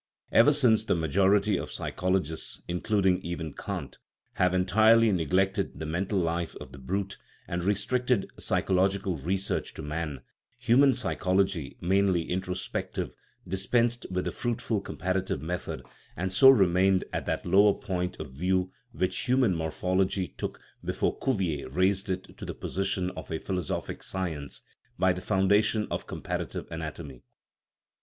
Ever since the majority of psychologists including even Kant have entirely neglected the mental life of the brute, and restricted psychological research to man: human psychology, mainly introspective, dispensed with the fruitful com parative method, and so remained at that lower point of view which human morphology took before Cuvier raised it to the position of a " philosophic science " by the foundation of comparative anatomy.